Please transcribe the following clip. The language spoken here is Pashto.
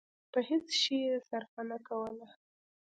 په هېڅ شي يې صرفه نه کوله.